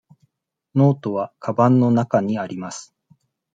ノートはかばんの中にあります。